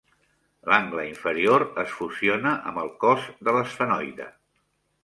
L'angle inferior es fusiona amb el cos de l'esfenoide.